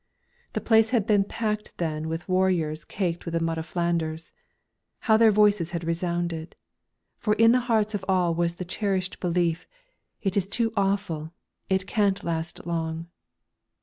The place had been packed then with warriors caked with the mud of Flanders. How their voices had resounded! For in the hearts of all was the cherished belief, "It is all too awful. It can't last long."